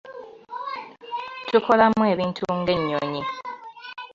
Tukolamu ebintu ng'ennyonyi.